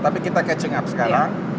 tapi kita catching up sekarang